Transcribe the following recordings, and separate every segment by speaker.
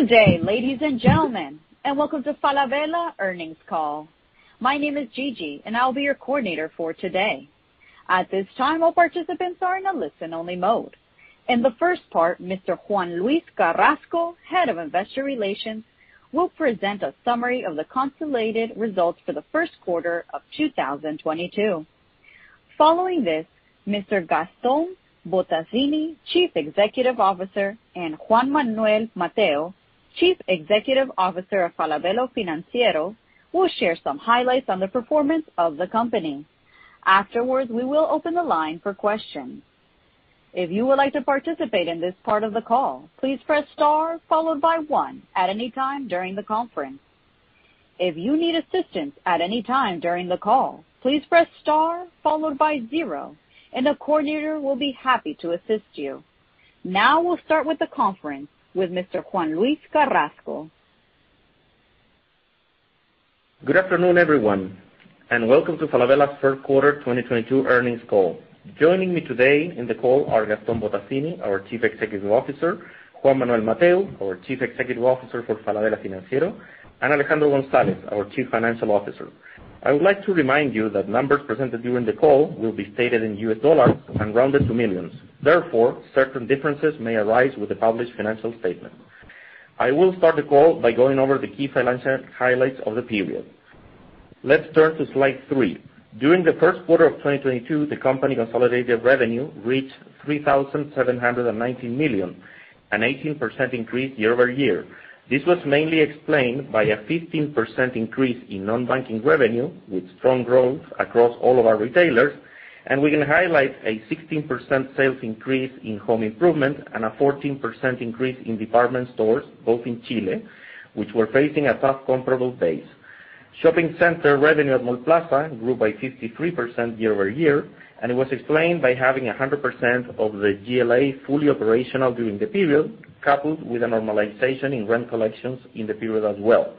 Speaker 1: Good day, ladies and gentlemen, and welcome to Falabella earnings call. My name is Gigi, and I'll be your coordinator for today. At this time, all participants are in a listen-only mode. In the first part, Mr. Juan-Luis Carrasco, Head of Investor Relations, will present a summary of the consolidated results for the first quarter of 2022. Following this, Mr. Gaston Bottazzini, Chief Executive Officer, and Juan Manuel Matheu, Chief Executive Officer of Falabella Financiero, will share some highlights on the performance of the company. Afterwards, we will open the line for questions. If you would like to participate in this part of the call, please press star followed by one at any time during the conference. If you need assistance at any time during the call, please press star followed by zero and the coordinator will be happy to assist you. Now we'll start with the conference with Mr. Juan-Luis Carrasco.
Speaker 2: Good afternoon, everyone, and welcome to Falabella's third quarter 2022 earnings call. Joining me today in the call are Gaston Bottazzini, our Chief Executive Officer, Juan Manuel Matheu, our Chief Executive Officer for Falabella Financiero, and Alejandro González Dale, our Chief Financial Officer. I would like to remind you that numbers presented during the call will be stated in US dollars and rounded to millions. Therefore, certain differences may arise with the published financial statement. I will start the call by going over the key financial highlights of the period. Let's turn to Slide three. During the first quarter of 2022, the company consolidated revenue reached $3,790 million, an 18% increase year-over-year. This was mainly explained by a 15% increase in non-banking revenue, with strong growth across all of our retailers, and we can highlight a 16% sales increase in home improvement and a 14% increase in department stores, both in Chile, which were facing a tough comparable base. Shopping center revenue at Mallplaza grew by 53% year-over-year, and it was explained by having 100% of the GLA fully operational during the period, coupled with a normalization in rent collections in the period as well.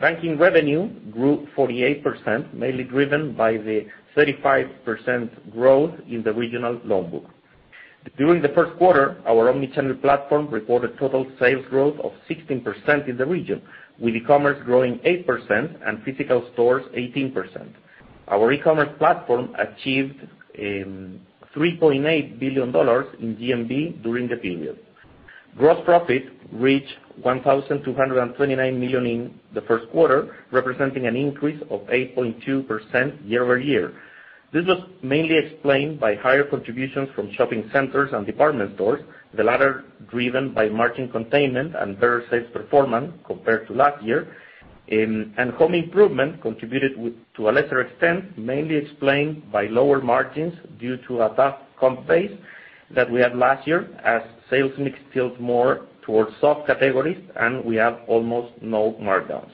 Speaker 2: Banking revenue grew 48%, mainly driven by the 35% growth in the regional loan book. During the first quarter, our omni-channel platform reported total sales growth of 16% in the region, with e-commerce growing 8% and physical stores 18%. Our e-commerce platform achieved $3.8 billion in GMV during the period. Gross profit reached $1,229 million in the first quarter, representing an increase of 8.2% year-over-year. This was mainly explained by higher contributions from shopping centers and department stores, the latter driven by margin containment and better sales performance compared to last year. Home improvement contributed with to a lesser extent, mainly explained by lower margins due to a tough comp base that we had last year, as sales mix tilts more towards soft categories, and we have almost no markdowns.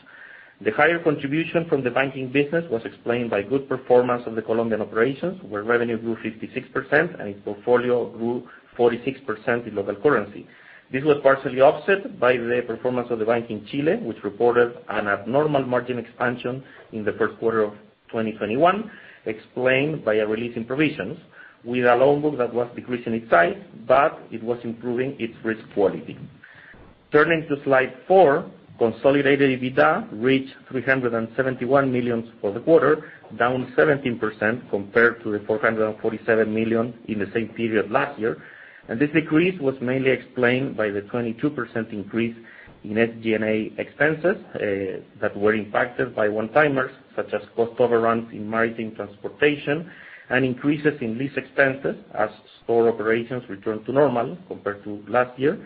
Speaker 2: The higher contribution from the banking business was explained by good performance of the Colombian operations, where revenue grew 56% and its portfolio grew 46% in local currency. This was partially offset by the performance of the bank in Chile, which reported an abnormal margin expansion in the first quarter of 2021, explained by a release in provisions with a loan book that was decreasing in size, but it was improving its risk quality. Turning to Slide four, consolidated EBITDA reached $371 million for the quarter, down 17% compared to the $447 million in the same period last year. This decrease was mainly explained by the 22% increase in SG&A expenses, that were impacted by one-timers, such as cost overruns in maritime transportation and increases in lease expenses as store operations return to normal compared to last year.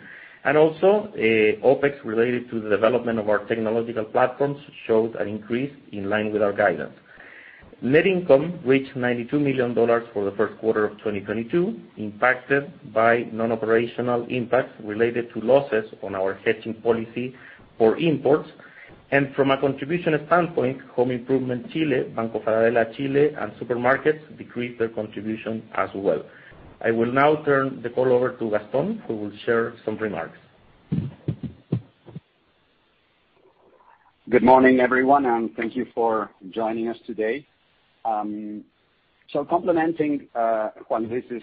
Speaker 2: OpEx related to the development of our technological platforms showed an increase in line with our guidance. Net income reached $92 million for the first quarter of 2022, impacted by non-operational impacts related to losses on our hedging policy for imports. From a contribution standpoint, Home Improvement Chile, Banco Falabella Chile, and supermarkets decreased their contribution as well. I will now turn the call over to Gaston, who will share some remarks.
Speaker 3: Good morning, everyone, and thank you for joining us today. Complementing Juan Luis's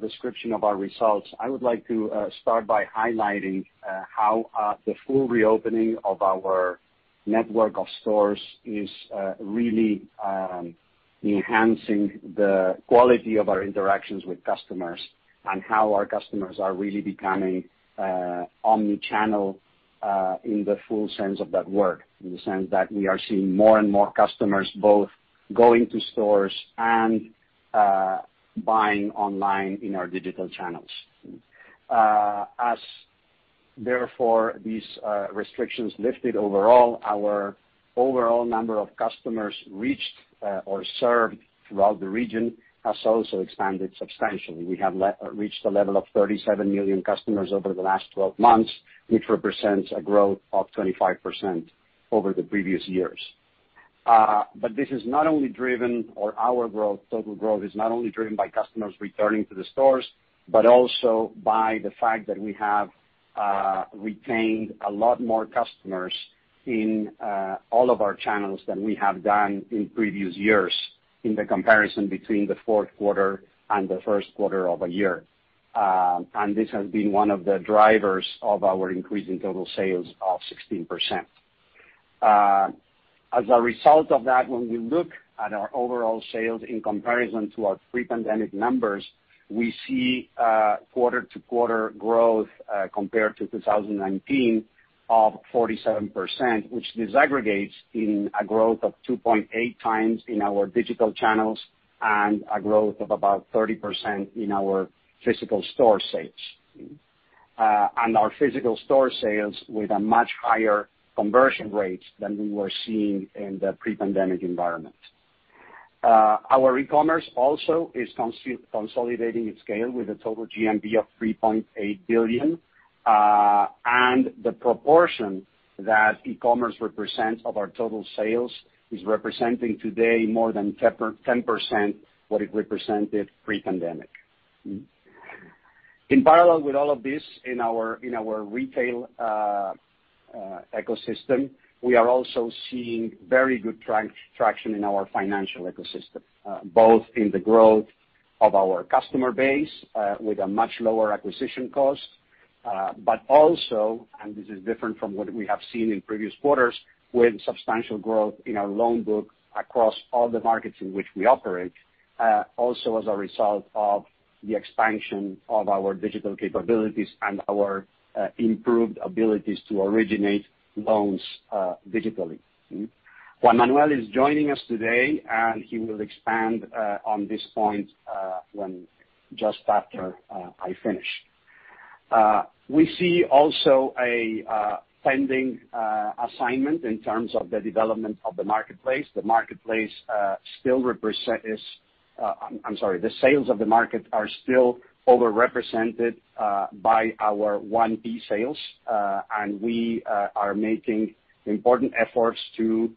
Speaker 3: description of our results, I would like to start by highlighting how the full reopening of our network of stores is really enhancing the quality of our interactions with customers and how our customers are really becoming omni-channel in the full sense of that word. In the sense that we are seeing more and more customers both going to stores and buying online in our digital channels. As therefore these restrictions lifted overall, our overall number of customers reached or served throughout the region has also expanded substantially. We have reached a level of 37 million customers over the last twelve months, which represents a growth of 25% over the previous years. Total growth is not only driven by customers returning to the stores, but also by the fact that we have retained a lot more customers in all of our channels than we have done in previous years in the comparison between the fourth quarter and the first quarter of a year. This has been one of the drivers of our increase in total sales of 16%. As a result of that, when we look at our overall sales in comparison to our pre-pandemic numbers, we see quarter-to-quarter growth compared to 2019 of 47%, which disaggregates in a growth of 2.8x in our digital channels and a growth of about 30% in our physical store sales. Our physical store sales with a much higher conversion rate than we were seeing in the pre-pandemic environment. Our e-commerce also is consolidating its scale with a total GMV of $3.8 billion. The proportion that e-commerce represents of our total sales is representing today more than 10% what it represented pre-pandemic. In parallel with all of this, in our retail ecosystem, we are also seeing very good traction in our financial ecosystem, both in the growth of our customer base with a much lower acquisition cost, but also, and this is different from what we have seen in previous quarters, with substantial growth in our loan book across all the markets in which we operate, also as a result of the expansion of our digital capabilities and our improved abilities to originate loans digitally. Juan Manuel is joining us today, and he will expand on this point when just after I finish. We see also a big investment in terms of the development of the marketplace. The marketplace still represents the sales of the marketplace are still over-represented by our 1P sales, and we are making important efforts to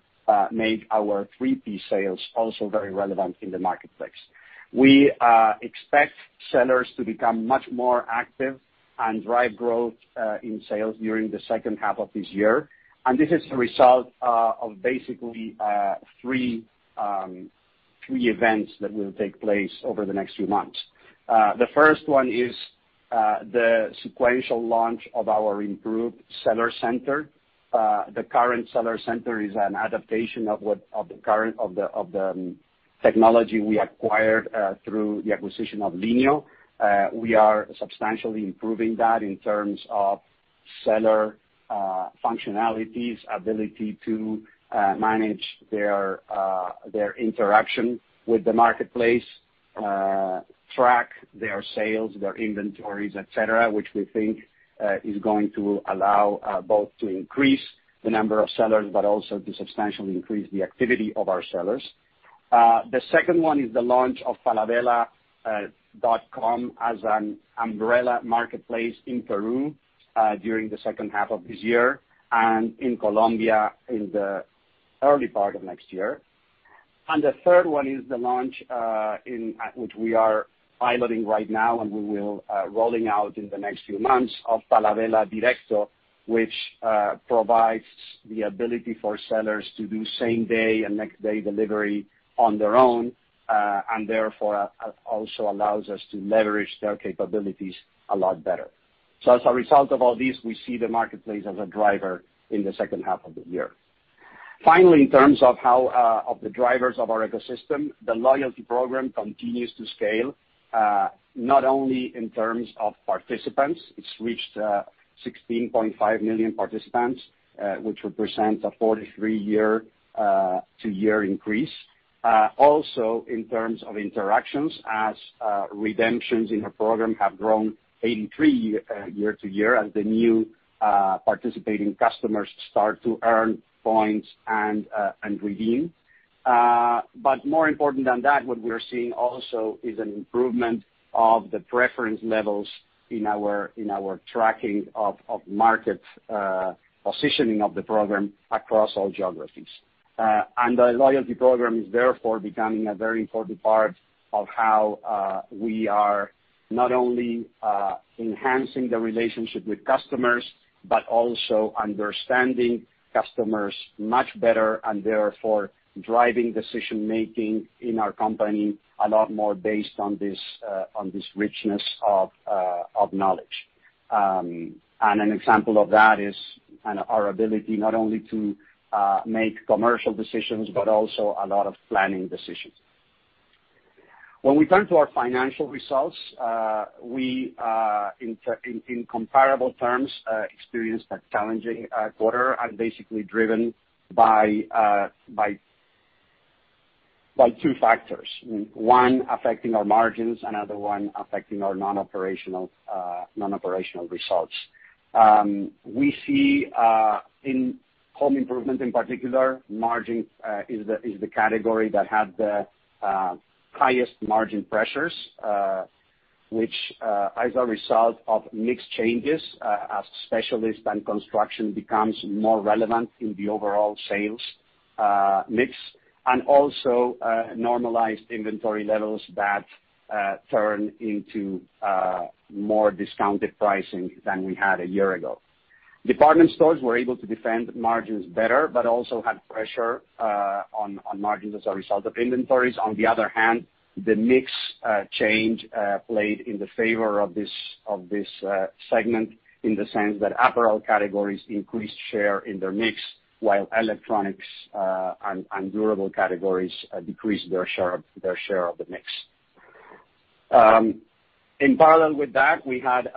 Speaker 3: make our 3P sales also very relevant in the marketplace. We expect sellers to become much more active and drive growth in sales during the second half of this year. This is a result of basically three events that will take place over the next few months. The first one is the sequential launch of our improved Seller Center. The current Seller Center is an adaptation of the technology we acquired through the acquisition of Linio. We are substantially improving that in terms of seller functionalities, ability to manage their interaction with the marketplace, track their sales, their inventories, et cetera, which we think is going to allow both to increase the number of sellers, but also to substantially increase the activity of our sellers. The second one is the launch of falabella.com as an umbrella marketplace in Peru during the second half of this year and in Colombia in the early part of next year. The third one is the launch which we are piloting right now, and we will be rolling out in the next few months of Falabella Directo, which provides the ability for sellers to do same-day and next-day delivery on their own, and therefore also allows us to leverage their capabilities a lot better. As a result of all this, we see the marketplace as a driver in the second half of the year. Finally, in terms of one of the drivers of our ecosystem, the loyalty program continues to scale, not only in terms of participants, it's reached 16.5 million participants, which represents a 43% year-to-year increase. Also in terms of interactions, as redemptions in the program have grown 83% year-to-year as the new participating customers start to earn points and redeem. But more important than that, what we are seeing also is an improvement of the preference levels in our tracking of market positioning of the program across all geographies. The loyalty program is therefore becoming a very important part of how we are not only enhancing the relationship with customers, but also understanding customers much better and therefore driving decision-making in our company a lot more based on this richness of knowledge. An example of that is our ability not only to make commercial decisions, but also a lot of planning decisions. When we turn to our financial results, we in comparable terms experienced a challenging quarter and basically driven by two factors, one affecting our margins, another one affecting our non-operational results. We see in home improvement in particular, margin is the category that had the highest margin pressures, which as a result of mix changes, as specialists and construction becomes more relevant in the overall sales mix, and also normalized inventory levels that turn into more discounted pricing than we had a year ago. Department stores were able to defend margins better, but also had pressure on margins as a result of inventories. On the other hand, the mix change played in the favor of this segment in the sense that apparel categories increased share in their mix while electronics and durable categories decreased their share of the mix. In parallel with that, we had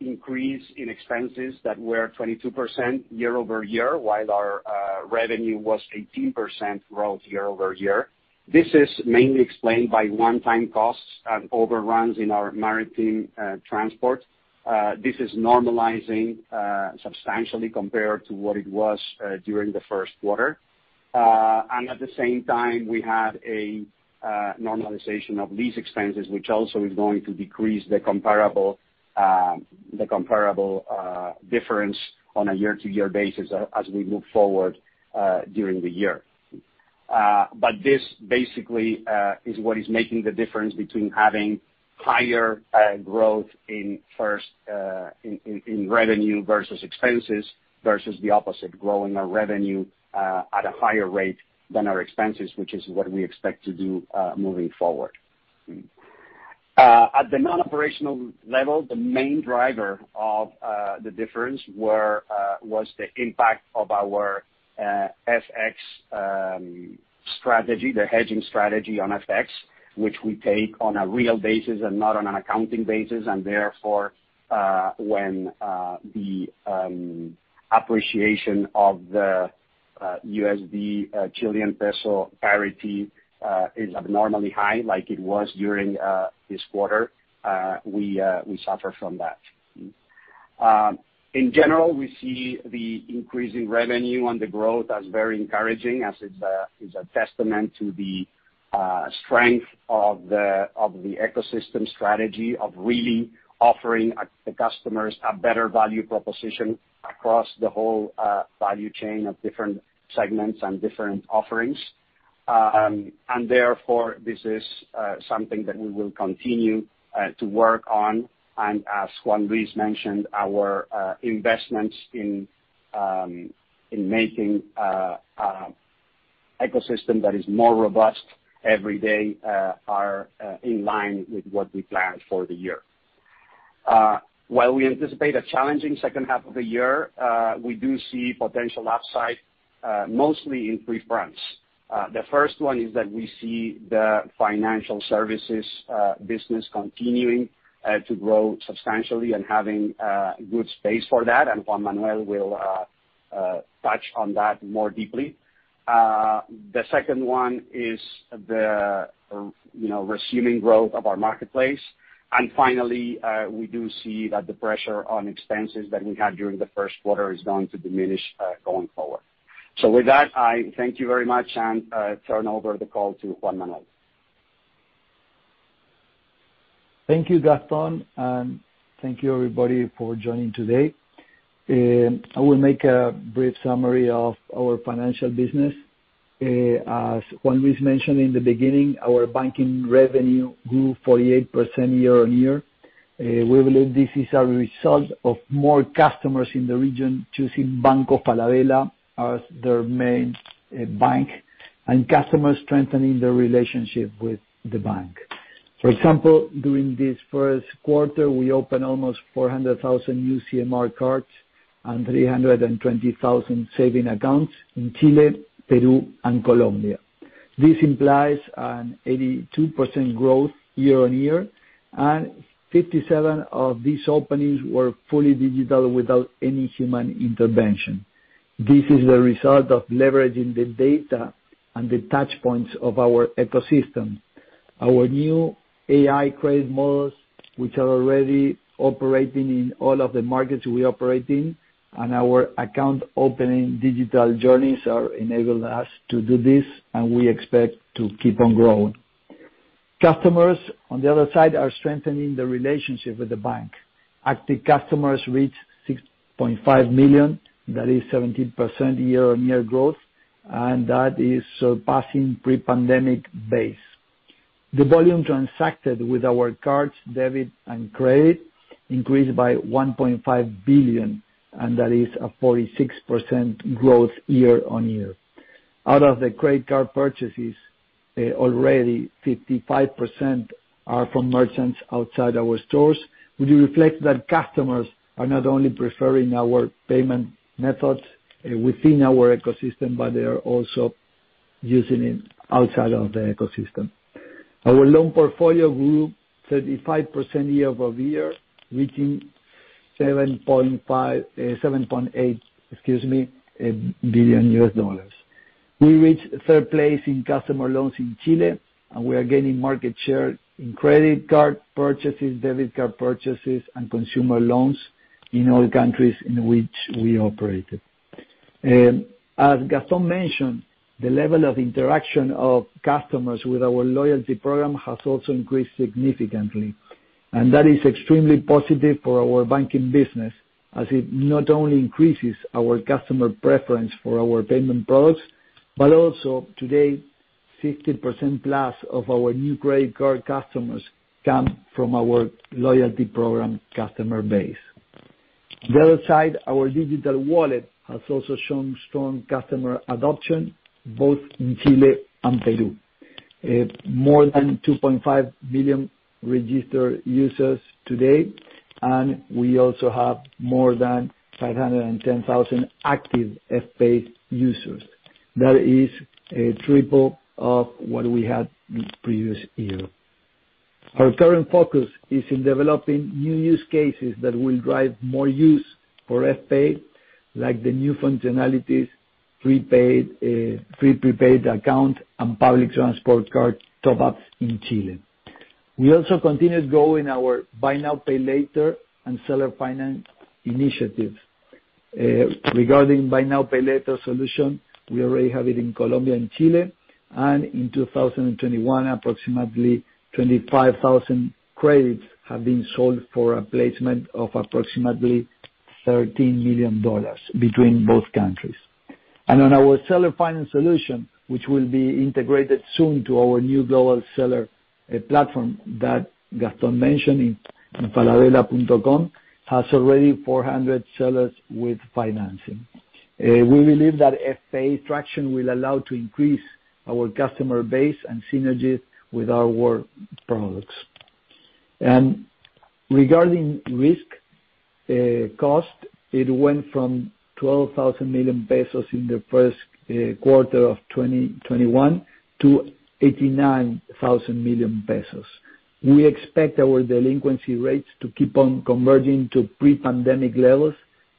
Speaker 3: increase in expenses that were 22% year-over-year, while our revenue was 18% growth year-over-year. This is mainly explained by one-time costs and overruns in our maritime transport. This is normalizing substantially compared to what it was during the first quarter. At the same time, we had a normalization of lease expenses, which also is going to decrease the comparable difference on a year-to-year basis as we move forward during the year. This basically is what is making the difference between having higher growth in revenue versus expenses versus the opposite, growing our revenue at a higher rate than our expenses, which is what we expect to do moving forward. At the non-operational level, the main driver of the difference was the impact of our FX strategy, the hedging strategy on FX, which we take on a real basis and not on an accounting basis. Therefore, when the appreciation of the USD Chilean peso parity is abnormally high like it was during this quarter, we suffer from that. In general, we see the increase in revenue on the growth as very encouraging as it's a testament to the strength of the ecosystem strategy of really offering the customers a better value proposition across the whole value chain of different segments and different offerings. Therefore, this is something that we will continue to work on. As Juan Luis mentioned, our investments in making ecosystem that is more robust every day are in line with what we planned for the year. While we anticipate a challenging second half of the year, we do see potential upside, mostly in three fronts. The first one is that we see the financial services business continuing to grow substantially and having good space for that, and Juan Manuel will touch on that more deeply. The second one is the, you know, resuming growth of our marketplace. And finally, we do see that the pressure on expenses that we had during the first quarter is going to diminish going forward. With that, I thank you very much and turn over the call to Juan Manuel.
Speaker 4: Thank you, Gaston, and thank you everybody for joining today. I will make a brief summary of our financial business. As Juan Luis mentioned in the beginning, our banking revenue grew 48% year-on-year. We believe this is a result of more customers in the region choosing Banco Falabella as their main bank, and customers strengthening their relationship with the bank. For example, during this first quarter, we opened almost 400,000 new CMR cards and 320,000 savings accounts in Chile, Peru, and Colombia. This implies an 82% growth year-on-year, and 57 of these openings were fully digital without any human intervention. This is the result of leveraging the data and the touch points of our ecosystem. Our new AI credit models, which are already operating in all of the markets we operate in, and our account opening digital journeys are enabling us to do this, and we expect to keep on growing. Customers, on the other side, are strengthening the relationship with the bank. Active customers reached 6.5 million, that is 17% year-on-year growth, and that is surpassing pre-pandemic base. The volume transacted with our cards, debit and credit, increased by $1.5 billion, and that is a 46% growth year-on-year. Out of the credit card purchases, already 55% are from merchants outside our stores, which reflect that customers are not only preferring our payment methods, within our ecosystem, but they are also using it outside of the ecosystem. Our loan portfolio grew 35% year-over-year, reaching $7.8 billion. We reached third place in customer loans in Chile, and we are gaining market share in credit card purchases, debit card purchases, and consumer loans in all countries in which we operated. As Gaston mentioned, the level of interaction of customers with our loyalty program has also increased significantly. That is extremely positive for our banking business, as it not only increases our customer preference for our payment products, but also today, 50%+ of our new credit card customers come from our loyalty program customer base. On the other side, our digital wallet has also shown strong customer adoption, both in Chile and Peru. More than 2.5 million registered users today, and we also have more than 510,000 active Fpay users. That is, triple of what we had the previous year. Our current focus is in developing new use cases that will drive more use for Fpay, like the new functionalities, prepaid, free prepaid account, and public transport card top ups in Chile. We also continue to grow in our buy now, pay later and seller finance initiatives. Regarding buy now, pay later solution, we already have it in Colombia and Chile, and in 2021, approximately 25,000 credits have been sold for a placement of approximately $13 million between both countries. On our seller finance solution, which will be integrated soon to our new global seller platform that Gaston mentioned in Falabella.com, has already 400 sellers with financing. We believe that Fpay traction will allow to increase our customer base and synergies with our work products. Regarding risk cost, it went from 12 billion pesos in the first quarter of 2021 to 89 billion pesos. We expect our delinquency rates to keep on converging to pre-pandemic levels,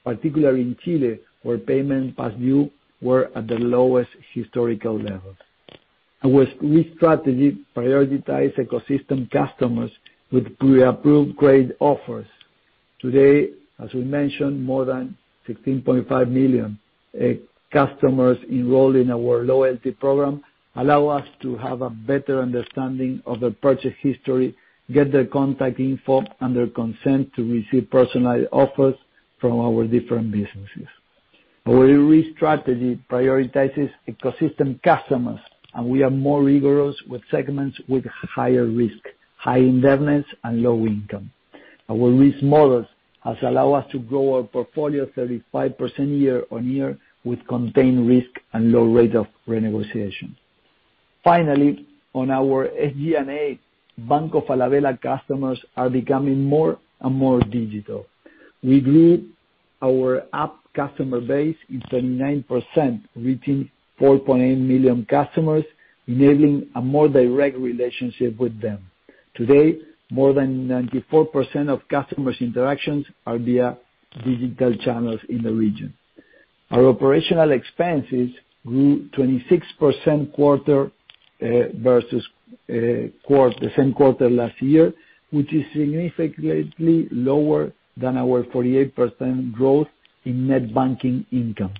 Speaker 4: particularly in Chile, where payments past due were at the lowest historical levels. Our risk strategy prioritize ecosystem customers with pre-approved grade offers. Today, as we mentioned, more than 16.5 million customers enrolled in our loyalty program allow us to have a better understanding of their purchase history, get their contact info, and their consent to receive personalized offers from our different businesses. Our risk strategy prioritizes ecosystem customers, and we are more rigorous with segments with higher risk, high indebtedness, and low income. Our risk models have allowed us to grow our portfolio 35% year on year with contained risk and low rate of renegotiation. Finally, on our SG&A, Banco Falabella customers are becoming more and more digital. We grew our app customer base 39%, reaching 4.8 million customers, enabling a more direct relationship with them. Today, more than 94% of customers' interactions are via digital channels in the region. Our operational expenses grew 26% quarter versus the same quarter last year, which is significantly lower than our 48% growth in net banking income.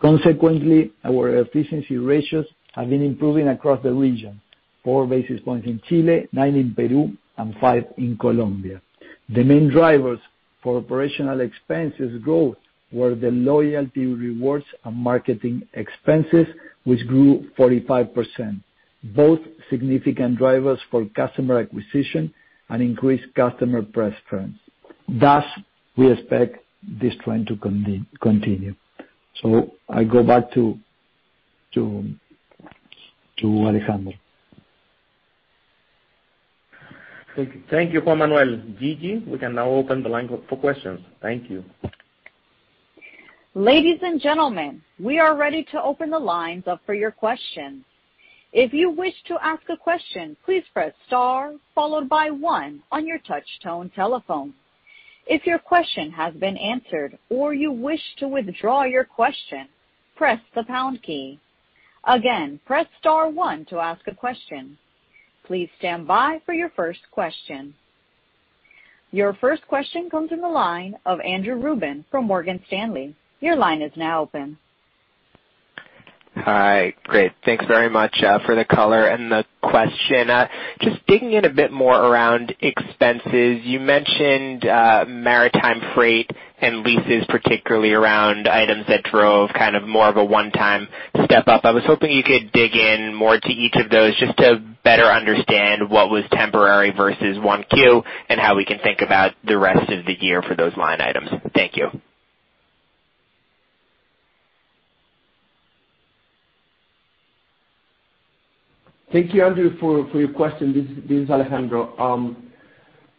Speaker 4: Consequently, our efficiency ratios have been improving across the region, 4 basis points in Chile, 9 in Peru, and 5 in Colombia. The main drivers for operational expenses growth were the loyalty rewards and marketing expenses, which grew 45%, both significant drivers for customer acquisition and increased customer preference. Thus, we expect this trend to continue. I go back to Alejandro.
Speaker 5: Thank you. Thank you, Juan Manuel. Gigi, we can now open the line for questions. Thank you.
Speaker 1: Ladies and gentlemen, we are ready to open the lines up for your questions. If you wish to ask a question, please press star followed by one on your touch tone telephone. If your question has been answered or you wish to withdraw your question, press the pound key. Again, press star one to ask a question. Please stand by for your first question. Your first question comes from the line of Andrew Ruben from Morgan Stanley. Your line is now open.
Speaker 6: Hi. Great. Thanks very much for the color and the question. Just digging in a bit more around expenses. You mentioned maritime freight and leases, particularly around items that drove kind of more of a one-time step up. I was hoping you could dig in more to each of those just to better understand what was temporary versus one Q and how we can think about the rest of the year for those line items. Thank you.
Speaker 5: Thank you, Andrew, for your question. This is Alejandro.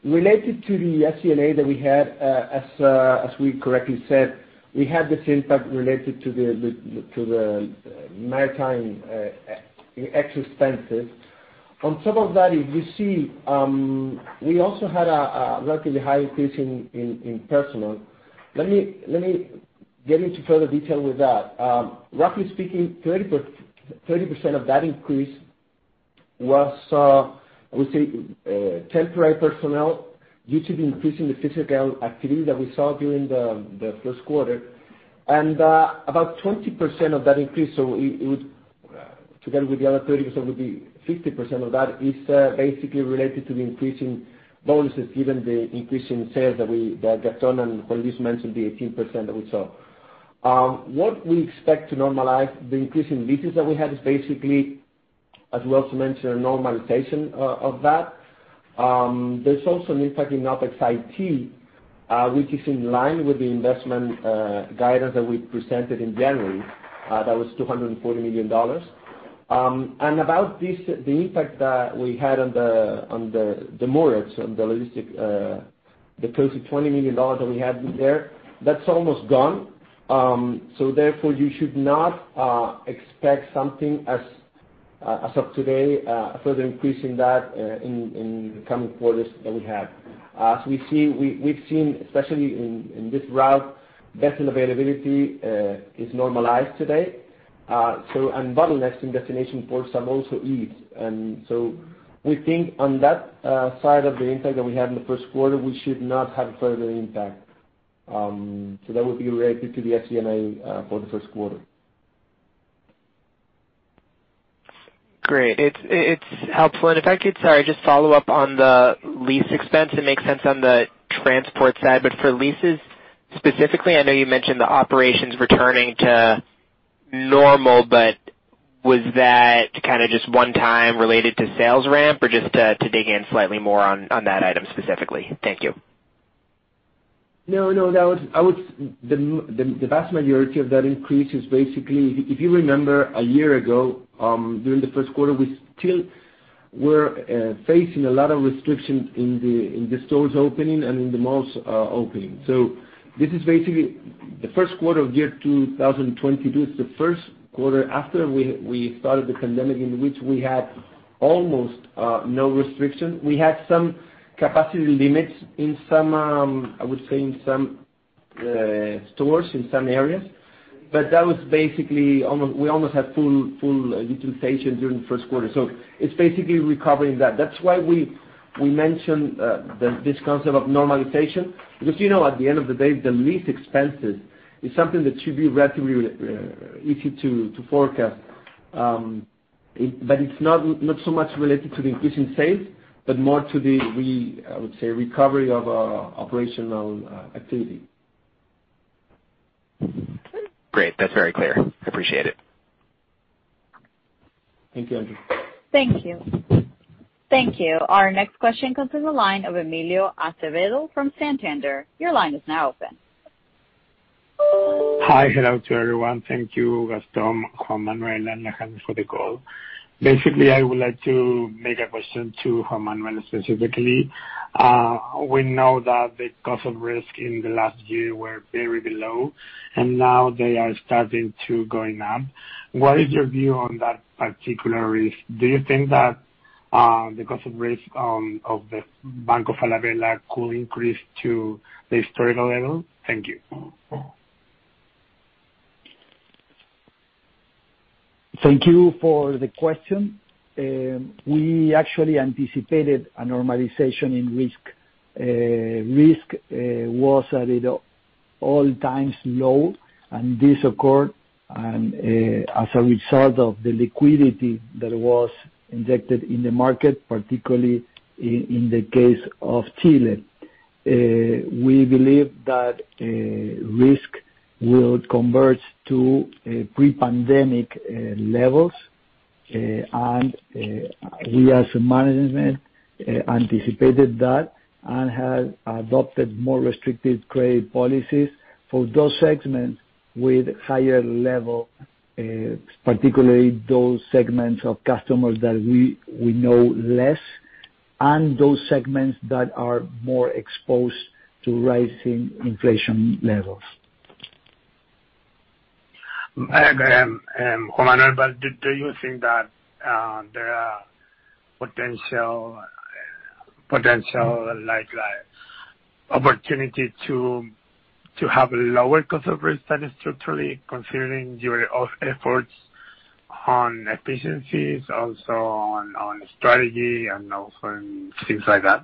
Speaker 5: Related to the SG&A that we had, as we correctly said, we had the same type related to the maritime expenses. On top of that, if you see, we also had a luckily high increase in personnel. Let me get into further detail with that. Roughly speaking, 30% of that increase was, I would say, temporary personnel due to the increase in the physical activity that we saw during the first quarter. About 20% of that increase, so it would, together with the other 30% would be 50% of that, is basically related to the increase in bonuses given the increase in sales that Gaston and Juan Luis mentioned, the 18% that we saw. What we expect to normalize the increase in leases that we had is basically, as well as you mentioned, a normalization of that. There's also an impact in OpEx IT, which is in line with the investment guidance that we presented in January, that was $240 million. About this, the impact that we had on the demurrages, on the logistics, close to $20 million that we had there, that's almost gone. Therefore, you should not expect something as of today, further increase in that in the coming quarters that we have. As we've seen, especially in this route, vessel availability is normalized today. Bottlenecks in destination ports have also eased. We think on that side of the impact that we had in the first quarter, we should not have further impact. That would be related to the SG&A for the first quarter.
Speaker 6: Great. It's helpful. If I could, sorry, just follow up on the lease expense. It makes sense on the transport side, but for leases specifically, I know you mentioned the operations returning to normal, but was that kind of just one time related to sales ramp or just to dig in slightly more on that item specifically? Thank you.
Speaker 5: The vast majority of that increase is basically. If you remember a year ago, during the first quarter, we still were facing a lot of restrictions in the stores opening and in the malls opening. This is basically the first quarter of 2022. It's the first quarter after we started the pandemic in which we had almost no restrictions. We had some capacity limits in some, I would say in some stores in some areas. That was basically almost. We almost had full utilization during the first quarter. It's basically recovering that. That's why we mentioned this concept of normalization. Because, you know, at the end of the day, the lease expenses is something that should be relatively easy to forecast. It's not so much related to the increase in sales, but more to the, I would say, recovery of operational activity.
Speaker 6: Great. That's very clear. Appreciate it.
Speaker 5: Thank you, Andrew.
Speaker 1: Thank you. Our next question comes from the line of Emilio Acevedo from Santander. Your line is now open.
Speaker 7: Hello to everyone. Thank you, Gaston, Juan Manuel, and Alejandro for the call. Basically, I would like to make a question to Juan Manuel specifically. We know that the cost of risk in the last year were very below, and now they are starting to going up. What is your view on that particular risk? Do you think that the cost of risk of the Banco Falabella could increase to the historical level? Thank you.
Speaker 4: Thank you for the question. We actually anticipated a normalization in risk. Risk was at an all-time low, and this occurred as a result of the liquidity that was injected in the market, particularly in the case of Chile. We believe that risk will converge to pre-pandemic levels, and we as management anticipated that and have adopted more restrictive credit policies for those segments with higher level, particularly those segments of customers that we know less and those segments that are more exposed to rising inflation levels.
Speaker 7: Juan Manuel, do you think that there are potential, like, opportunity to have a lower cost of risk than structurally considering your efforts on efficiencies, also on strategy and also on things like that?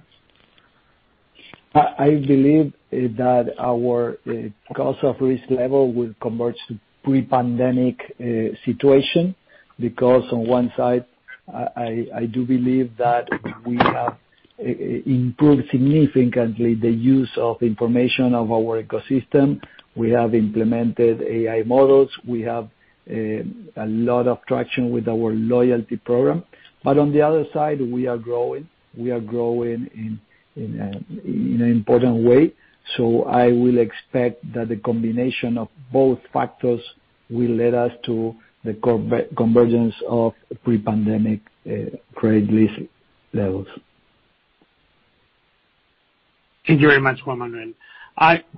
Speaker 4: I believe that our cost of risk level will converge to pre-pandemic situation because on one side, I do believe that we have improved significantly the use of information of our ecosystem. We have implemented AI models. We have a lot of traction with our loyalty program. On the other side, we are growing. We are growing in an important way. I will expect that the combination of both factors will lead us to the convergence of pre-pandemic credit risk levels.
Speaker 7: Thank you very much, Juan Manuel.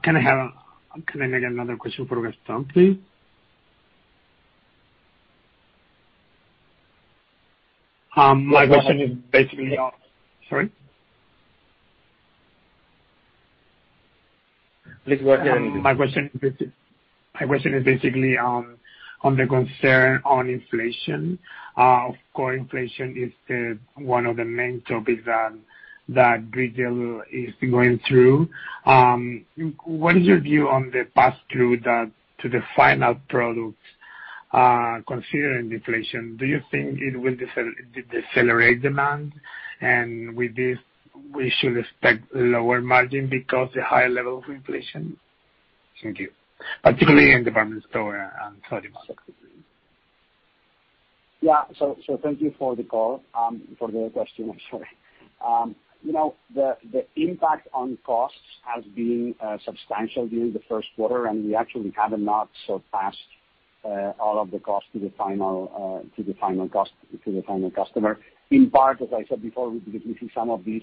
Speaker 7: Can I make another question for Gaston, please? My question is basically on-
Speaker 5: Please go ahead.
Speaker 7: Sorry.
Speaker 5: Please go ahead.
Speaker 7: My question is basically on the concern on inflation. Of course, inflation is one of the main topics that Chile is going through. What is your view on the pass-through to the final product? Considering deflation, do you think it will decelerate demand, and with this we should expect lower margin because of the high level of inflation? Thank you. Particularly in department store and supermarket.
Speaker 3: Thank you for the call, for the question, I'm sorry. You know, the impact on costs has been substantial during the first quarter, and we actually have not passed all of the costs to the final customer. In part, as I said before, we see some of these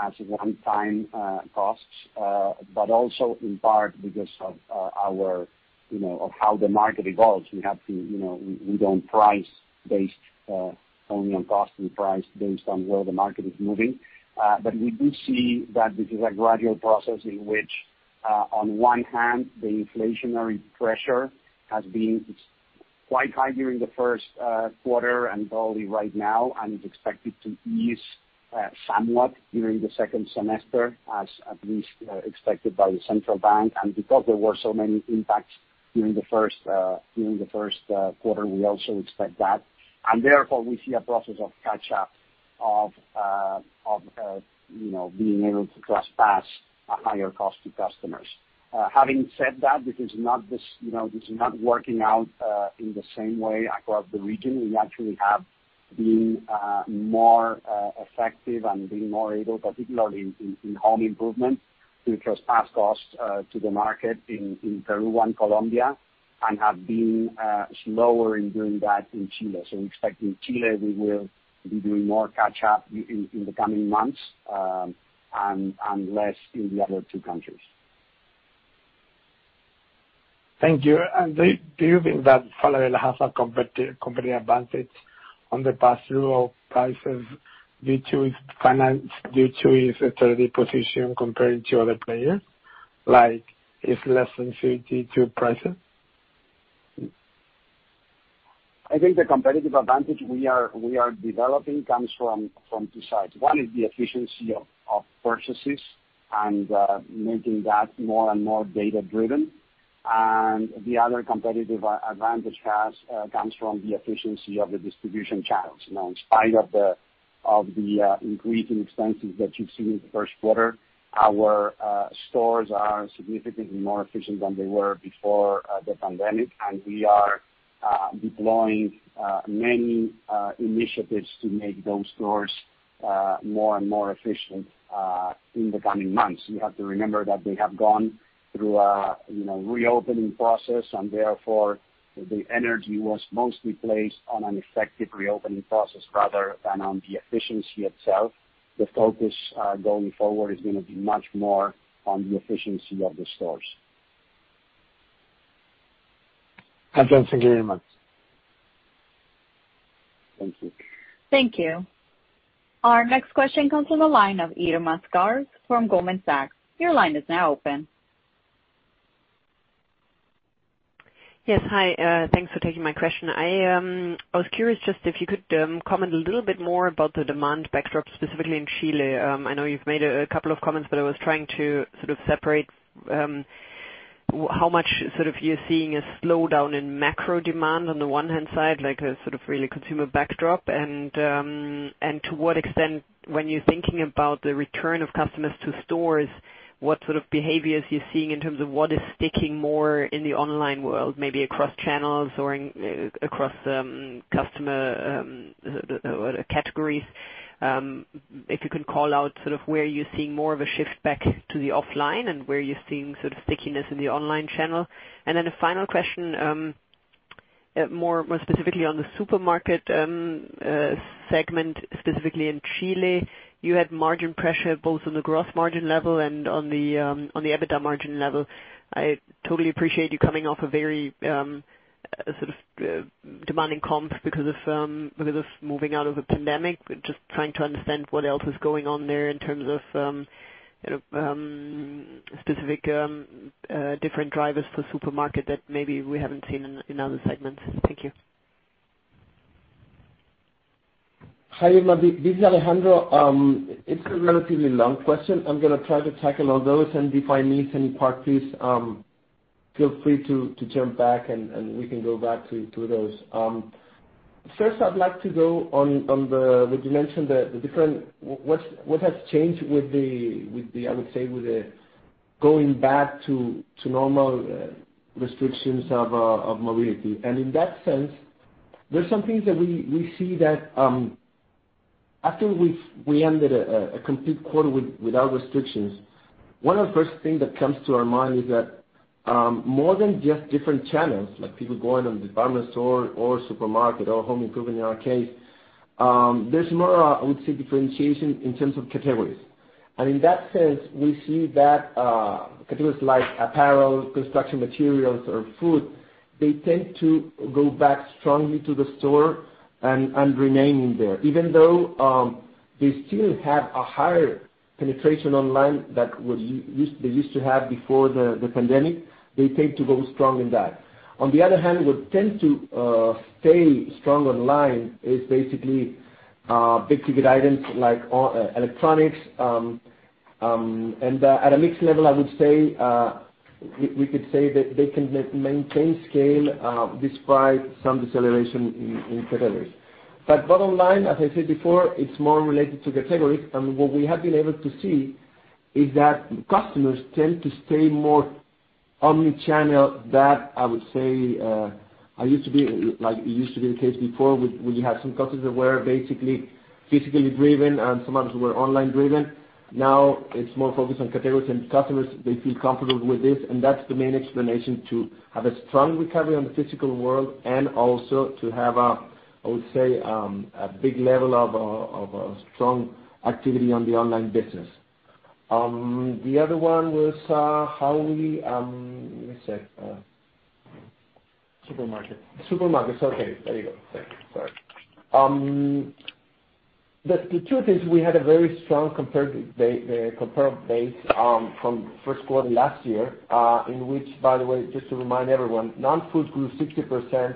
Speaker 3: as one-time costs, but also in part because of how the market evolves, we have to, you know, we don't price based only on cost and price based on where the market is moving. We do see that this is a gradual process in which, on one hand, the inflationary pressure has been quite high during the first quarter and probably right now, and is expected to ease somewhat during the second semester, as at least expected by the central bank. Because there were so many impacts during the first quarter, we also expect that. Therefore, we see a process of catch-up of, you know, being able to just pass a higher cost to customers. Having said that, this is not, you know, working out in the same way across the region. We actually have been more effective in being more able, particularly in home improvement, to just pass costs to the market in Peru and Colombia, and have been slower in doing that in Chile. We expect in Chile, we will be doing more catch up in the coming months, and less in the other two countries.
Speaker 7: Thank you. Do you think that Falabella has a competitive advantage on the pass-through of prices due to its finance, due to its authority position compared to other players? Like, it's less sensitivity to prices?
Speaker 3: I think the competitive advantage we are developing comes from two sides. One is the efficiency of purchases and making that more and more data-driven. The other competitive advantage comes from the efficiency of the distribution channels. Now, in spite of the increase in expenses that you've seen in the first quarter, our stores are significantly more efficient than they were before the pandemic, and we are deploying many initiatives to make those stores more and more efficient in the coming months. You have to remember that they have gone through a you know reopening process and therefore, the energy was mostly placed on an effective reopening process rather than on the efficiency itself. The focus going forward is gonna be much more on the efficiency of the stores.
Speaker 7: Okay. Thank you very much. Thank you.
Speaker 1: Thank you. Our next question comes from the line of Irma Sgarz from Goldman Sachs. Your line is now open.
Speaker 8: Yes. Hi. Thanks for taking my question. I was curious just if you could comment a little bit more about the demand backdrop, specifically in Chile. I know you've made a couple of comments, but I was trying to sort of separate how much sort of you're seeing a slowdown in macro demand on the one hand side, like a sort of really consumer backdrop. To what extent when you're thinking about the return of customers to stores, what sort of behaviors you're seeing in terms of what is sticking more in the online world, maybe across channels or across customer categories. If you could call out sort of where you're seeing more of a shift back to the offline and where you're seeing sort of stickiness in the online channel. A final question, more specifically on the supermarket segment, specifically in Chile, you had margin pressure both on the gross margin level and on the EBITDA margin level. I totally appreciate you coming off a very sort of demanding comp because of moving out of the pandemic. We're just trying to understand what else is going on there in terms of you know specific different drivers for supermarket that maybe we haven't seen in other segments. Thank you.
Speaker 5: Hi, Irma. This is Alejandro. It's a relatively long question. I'm gonna try to tackle all those, and if I miss any part, please feel free to jump back and we can go back to those. First I'd like to go on what you mentioned. What has changed with the going back to normal restrictions of mobility. In that sense, there's some things that we see that after we've ended a complete quarter without restrictions, one of the first things that comes to our mind is that more than just different channels, like people going to department store or supermarket or home improvement in our case, there's more, I would say, differentiation in terms of categories.
Speaker 3: In that sense, we see that categories like apparel, construction materials or food, they tend to go back strongly to the store and remain in there. Even though they still have a higher penetration online than they used to have before the pandemic, they tend to go strong in that. On the other hand, what tends to stay strong online is basically big-ticket items like electronics.
Speaker 5: At a mix level, I would say we could say that they can maintain scale despite some deceleration in categories. Bottom line, as I said before, it's more related to category. What we have been able to see is that customers tend to stay more omni-channel than I would say I used to be. Like it used to be the case before we had some customers that were basically physically driven and some others were online driven. Now it's more focused on categories, and customers they feel comfortable with this, and that's the main explanation to have a strong recovery on the physical world and also to have a I would say a big level of a strong activity on the online business. The other one was how we.
Speaker 1: Supermarket.
Speaker 5: Supermarkets. Okay. There you go. Thank you. Sorry. The truth is we had a very strong compared base from first quarter last year, in which by the way, just to remind everyone, non-food grew 60%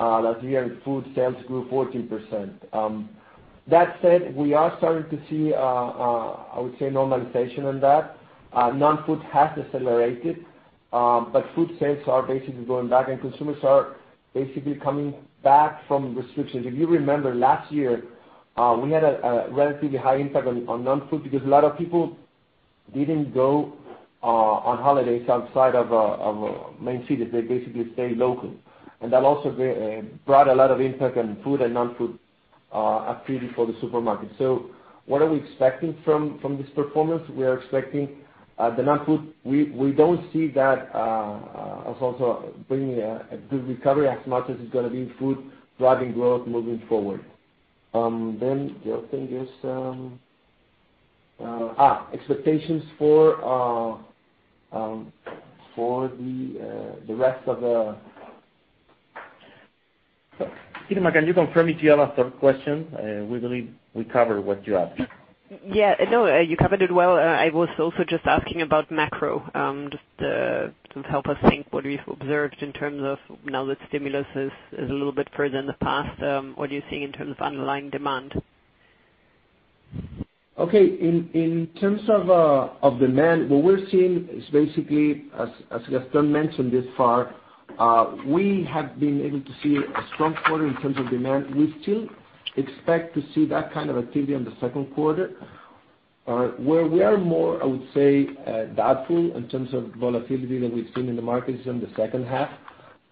Speaker 5: last year, and food sales grew 14%. That said, we are starting to see I would say normalization on that. Non-food has decelerated, but food sales are basically going back, and consumers are basically coming back from restrictions. If you remember last year, we had a relatively high impact on non-food because a lot of people didn't go on holidays outside of main cities. They basically stayed local. That also brought a lot of impact on food and non-food activity for the supermarket. What are we expecting from this performance? We are expecting the non-food. We don't see that as also bringing a good recovery as much as it's gonna be food driving growth moving forward. The other thing is expectations for the rest of the. Irma, can you confirm if you have a third question? We believe we covered what you asked.
Speaker 8: Yeah. No, you covered it well. I was also just asking about macro, just, to help us think what we've observed in terms of now that stimulus is a little bit further in the past, what are you seeing in terms of underlying demand?
Speaker 5: In terms of demand, what we're seeing is basically as Gaston mentioned thus far, we have been able to see a strong quarter in terms of demand. We still expect to see that kind of activity in the second quarter. Where we are more, I would say, doubtful in terms of volatility that we've seen in the markets in the second half.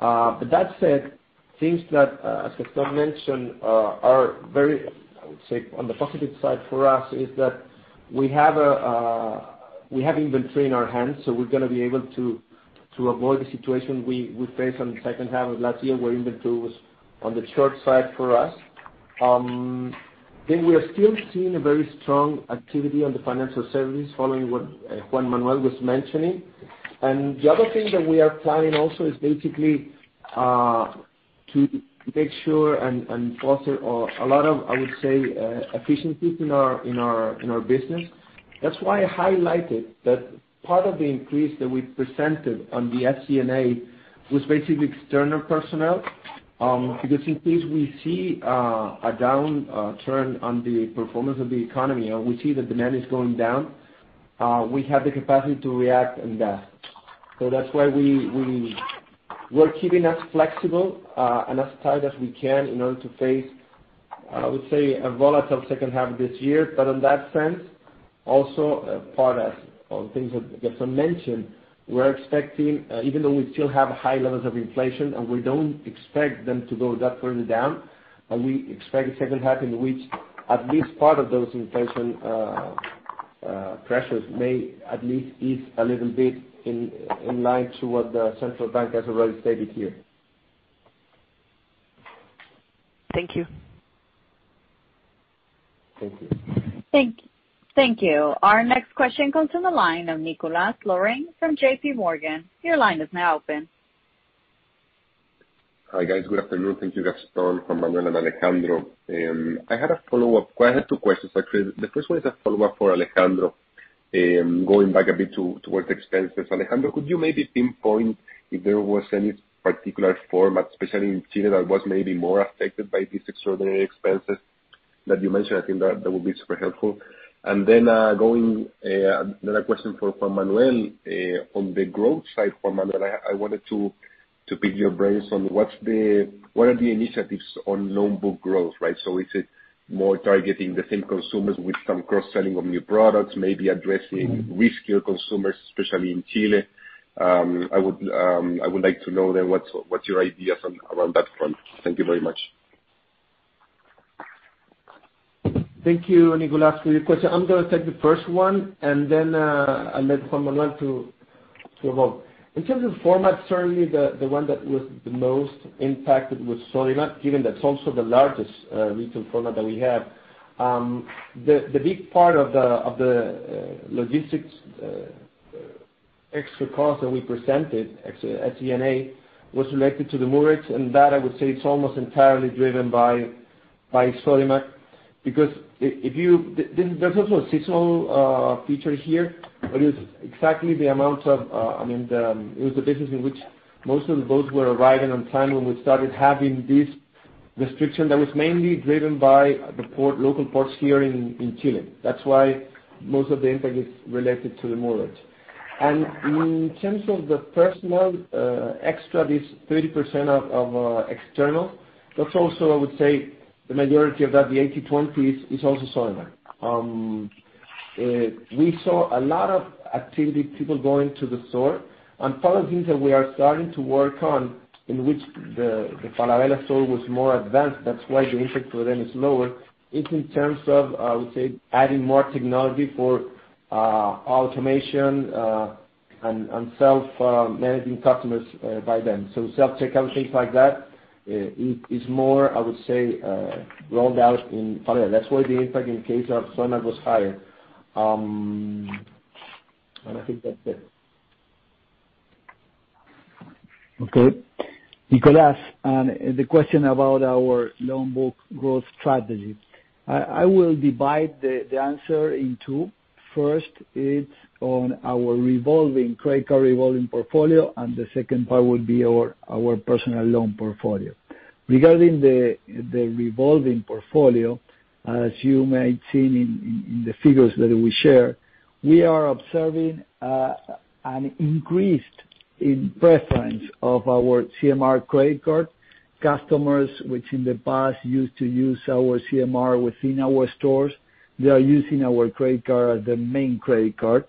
Speaker 5: But that said, things that as Gaston mentioned are very, I would say, on the positive side for us is that we have inventory in our hands, so we're gonna be able to avoid the situation we faced on the second half of last year where inventory was on the short side for us. We are still seeing a very strong activity on the financial services following what Juan Manuel was mentioning. The other thing that we are planning also is basically to make sure and foster a lot of, I would say, efficiencies in our business. That's why I highlighted that part of the increase that we presented on the SG&A was basically external personnel, because in case we see a downturn on the performance of the economy or we see the demand is going down, we have the capacity to react on that. That's why we're keeping as flexible and as tight as we can in order to face, I would say, a volatile second half of this year. In that sense, also as part of things that Gaston mentioned, we're expecting, even though we still have high levels of inflation, and we don't expect them to go that further down, and we expect a second half in which at least part of those inflation pressures may at least ease a little bit in line with what the central bank has already stated here.
Speaker 8: Thank you.
Speaker 5: Thank you.
Speaker 1: Thank you. Our next question comes from the line of Nicolás Larraín from JPMorgan. Your line is now open.
Speaker 9: Hi, guys. Good afternoon. Thank you, Gaston, Juan Manuel, and Alejandro. I had two questions, actually. The first one is a follow-up for Alejandro, going back a bit towards the expenses. Alejandro, could you maybe pinpoint if there was any particular format, especially in Chile, that was maybe more affected by these extraordinary expenses that you mentioned? I think that would be super helpful. And then, another question for Juan Manuel. On the growth side, Juan Manuel, I wanted to pick your brains on what are the initiatives on loan book growth, right? So is it more targeting the same consumers with some cross-selling of new products, maybe addressing riskier consumers, especially in Chile? I would like to know what's your ideas on around that front. Thank you very much.
Speaker 5: Thank you, Nicolás, for your question. I'm gonna take the first one and then, I'll let Juan Manuel Matheu to go. In terms of format, certainly the one that was the most impacted was Sodimac, given that's also the largest retail format that we have. The big part of the logistics extra cost that we presented at SG&A was related to the demurrages, and that I would say it's almost entirely driven by Sodimac. Because there's also a seasonal feature here, but it's exactly the amount of, I mean, it was a business in which most of the boats were arriving on time when we started having this restriction that was mainly driven by the port, local ports here in Chile. That's why most of the impact is related to the demurrage. In terms of the personnel extra, this 30% of external, that's also I would say the majority of that, the 80/20 is also Sodimac. We saw a lot of activity, people going to the store. Part of the things that we are starting to work on, in which the Falabella store was more advanced, that's why the impact for them is lower, is in terms of, I would say, adding more technology for automation and self-managing customers by them. Self-checkout, things like that, is more rolled out in Falabella. That's why the impact in case of Sodimac was higher. I think that's it.
Speaker 4: Okay. Nicolás, the question about our loan book growth strategy. I will divide the answer in two. First, it's on our revolving credit card revolving portfolio, and the second part would be our personal loan portfolio. Regarding the revolving portfolio, as you may have seen in the figures that we share, we are observing an increase in preference of our CMR credit card customers, which in the past used to use our CMR within our stores. They are using our credit card, the main credit card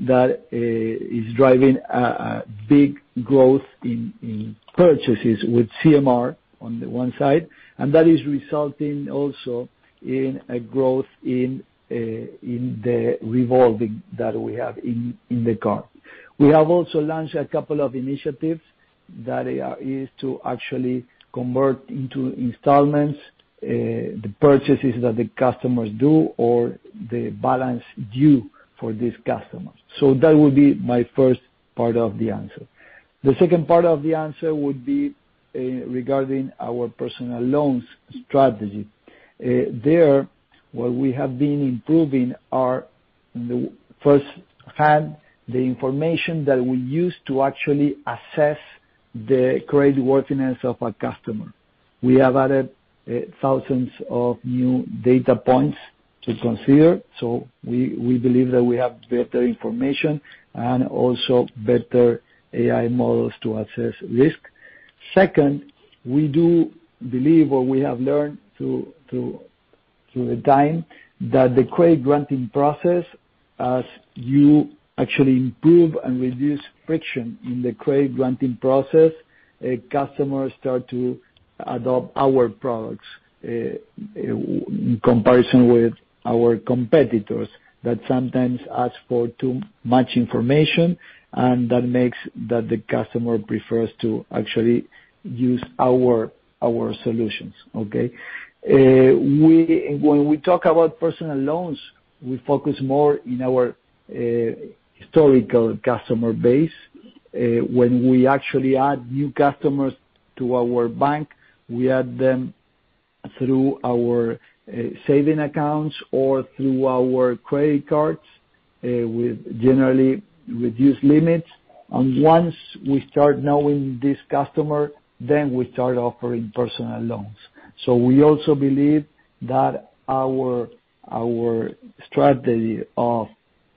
Speaker 4: that is driving a big growth in purchases with CMR on the one side, and that is resulting also in a growth in the revolving that we have in the card. We have also launched a couple of initiatives that is to actually convert into installments the purchases that the customers do or the balance due for these customers. That would be my first part of the answer. The second part of the answer would be, regarding our personal loans strategy. What we have been improving are, on the one hand, the information that we use to actually assess the creditworthiness of a customer. We have added thousands of new data points to consider, so we believe that we have better information and also better AI models to assess risk. Second, we do believe or we have learned through the time that the credit granting process, as you actually improve and reduce friction in the credit granting process, customers start to adopt our products in comparison with our competitors, that sometimes ask for too much information, and that makes the customer prefer to actually use our solutions. Okay? When we talk about personal loans, we focus more in our historical customer base. When we actually add new customers to our bank, we add them through our savings accounts or through our credit cards with generally reduced limits. Once we start knowing this customer, then we start offering personal loans. We also believe that our strategy of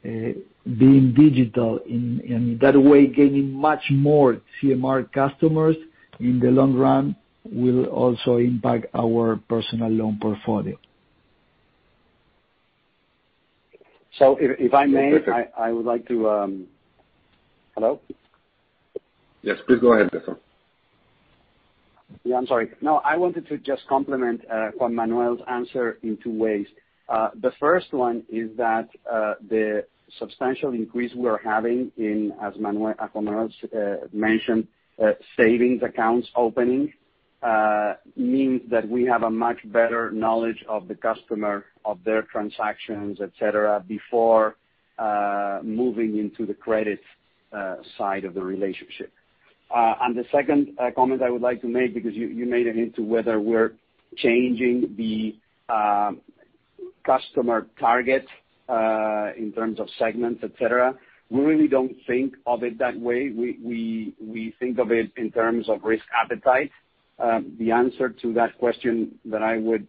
Speaker 4: being digital in that way, gaining much more CMR customers in the long run, will also impact our personal loan portfolio.
Speaker 3: If I may, I would like to. Hello?
Speaker 5: Yes, please go ahead, Gaston.
Speaker 3: Yeah. I'm sorry. No, I wanted to just complement Juan Manuel's answer in two ways. The first one is that the substantial increase we are having in, as Juan Manuel mentioned, savings accounts opening means that we have a much better knowledge of the customer, of their transactions, et cetera, before moving into the credit side of the relationship. The second comment I would like to make because you made it into whether we're changing the customer target in terms of segments, et cetera. We really don't think of it that way. We think of it in terms of risk appetite. The answer to that question that I would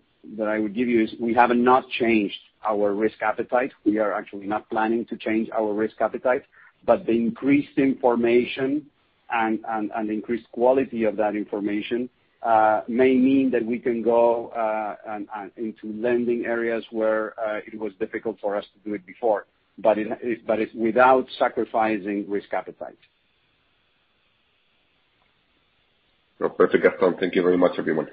Speaker 3: give you is we have not changed our risk appetite. We are actually not planning to change our risk appetite. The increased information and increased quality of that information may mean that we can go into lending areas where it was difficult for us to do it before, but it's without sacrificing risk appetite.
Speaker 5: Perfect, Gaston. Thank you very much, everyone.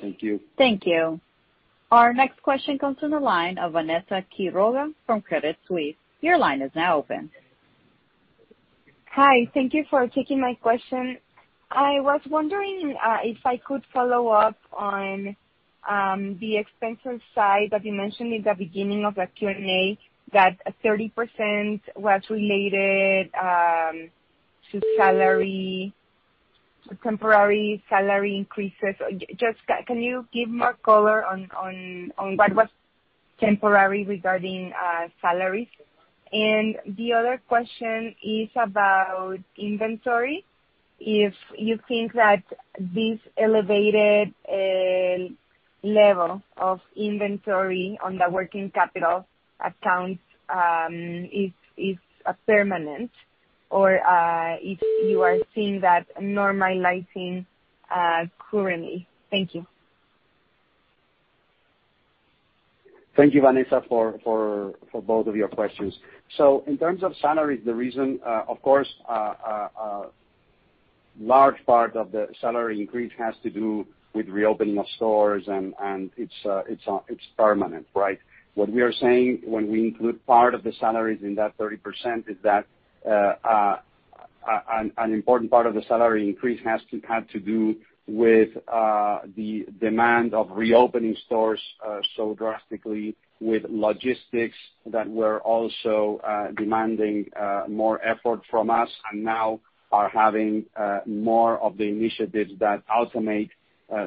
Speaker 4: Thank you.
Speaker 1: Thank you. Our next question comes from the line of Vanessa Quiroga from Credit Suisse. Your line is now open.
Speaker 10: Hi. Thank you for taking my question. I was wondering if I could follow up on the expenses side that you mentioned in the beginning of the Q&A, that 30% was related to salary, temporary salary increases. Just can you give more color on temporary regarding salaries. The other question is about inventory. If you think that this elevated level of inventory on the working capital accounts is permanent or if you are seeing that normalizing currently? Thank you.
Speaker 3: Thank you, Vanessa, for both of your questions. In terms of salary, the reason, of course, large part of the salary increase has to do with reopening of stores and it's permanent, right? What we are saying when we include part of the salaries in that 30% is that, an important part of the salary increase had to do with the demand of reopening stores so drastically with logistics that were also demanding more effort from us and now are having more of the initiatives that automate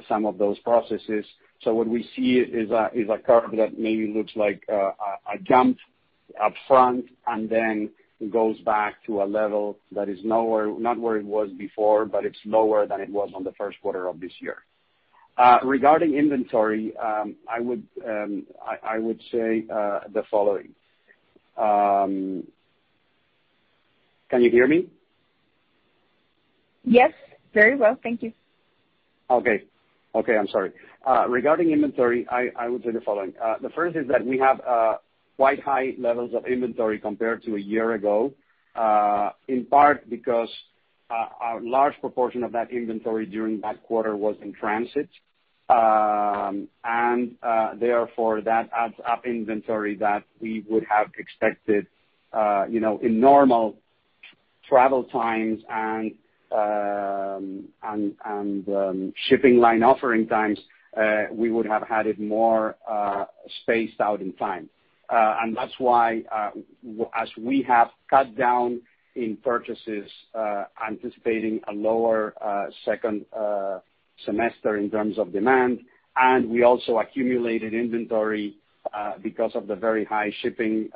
Speaker 3: some of those processes. What we see is a curve that maybe looks like a jump up front and then goes back to a level that is lower. Not where it was before, but it's lower than it was on the first quarter of this year. Regarding inventory, I would say the following. Can you hear me?
Speaker 10: Yes. Very well. Thank you.
Speaker 3: Okay, I'm sorry. Regarding inventory, I would say the following. The first is that we have quite high levels of inventory compared to a year ago, in part because a large proportion of that inventory during that quarter was in transit. And therefore that adds up inventory that we would have expected, you know, in normal travel times and shipping line offering times, we would have had it more spaced out in time. That's why, as we have cut down in purchases, anticipating a lower second semester in terms of demand, and we also accumulated inventory because of the very high shipping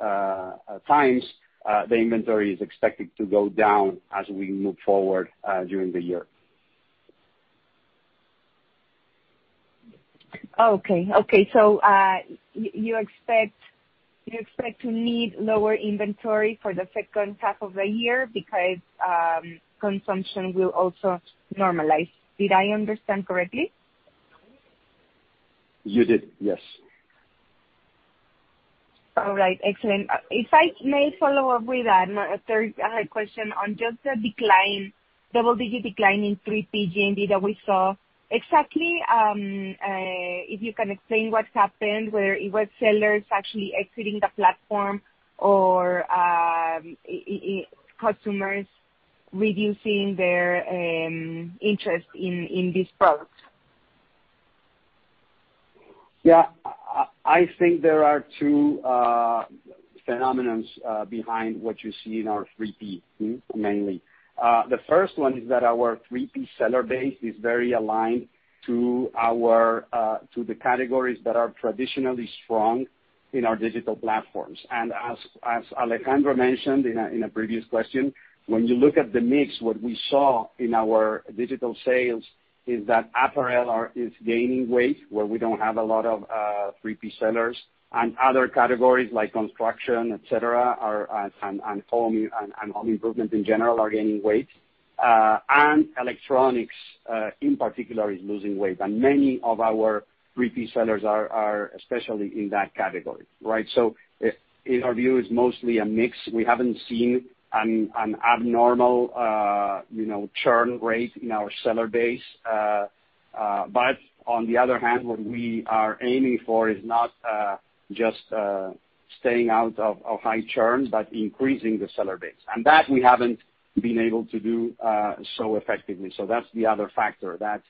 Speaker 3: times, the inventory is expected to go down as we move forward during the year.
Speaker 10: You expect to need lower inventory for the second half of the year because consumption will also normalize. Did I understand correctly?
Speaker 3: You did, yes.
Speaker 10: All right. Excellent. If I may follow up with a third question on just the decline, double-digit decline in 3P GMV that we saw. Exactly, if you can explain what happened, where it was sellers actually exiting the platform or customers reducing their interest in these products.
Speaker 3: Yeah. I think there are two phenomena behind what you see in our 3P, mainly. The first one is that our 3P seller base is very aligned to the categories that are traditionally strong in our digital platforms. As Alejandro mentioned in a previous question, when you look at the mix, what we saw in our digital sales is that apparel is gaining weight where we don't have a lot of 3P sellers. Other categories like construction, et cetera, and home and home improvement in general are gaining weight. Electronics in particular is losing weight. Many of our 3P sellers are especially in that category, right? In our view it's mostly a mix. We haven't seen an abnormal, you know, churn rate in our seller base. But on the other hand, what we are aiming for is not just staying out of high churn, but increasing the seller base. That we haven't been able to do so effectively. That's the other factor. That's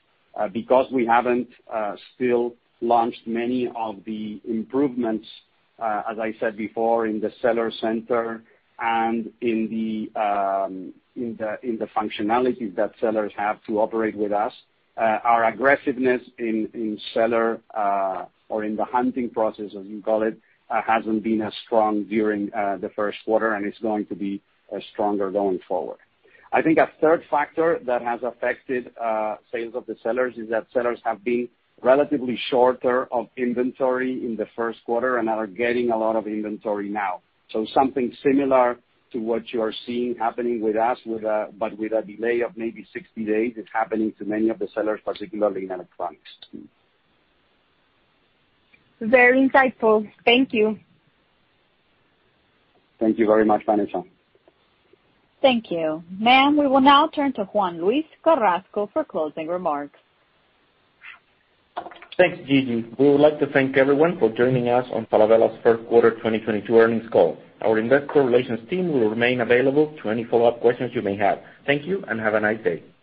Speaker 3: because we haven't yet launched many of the improvements, as I said before in the Seller Center and in the functionalities that sellers have to operate with us, our aggressiveness in seller hunting process, as you call it, hasn't been as strong during the first quarter and it's going to be stronger going forward. I think a third factor that has affected sales of the sellers is that sellers have been relatively shorter of inventory in the first quarter and are getting a lot of inventory now. Something similar to what you are seeing happening with us, but with a delay of maybe 60 days, it's happening to many of the sellers, particularly in electronics.
Speaker 10: Very insightful. Thank you.
Speaker 3: Thank you very much, Vanessa.
Speaker 1: Thank you. Ma'am, we will now turn to Juan-Luis Carrasco for closing remarks.
Speaker 2: Thanks, Gigi. We would like to thank everyone for joining us on Falabella's first quarter 2022 earnings call. Our investor relations team will remain available to any follow-up questions you may have. Thank you and have a nice day.